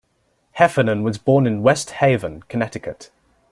Heffernan was born in West Haven, Connecticut.